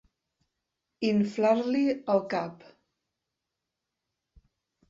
Inflar-li el cap.